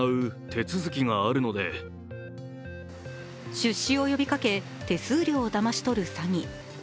出資を呼びかけ、手数料をだまし取る詐欺。